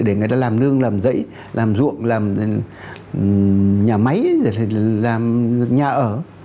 để người ta làm nương làm rẫy làm ruộng làm nhà máy làm nhà ở